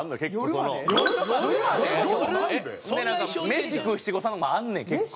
メシ食う七五三もあんねん結構。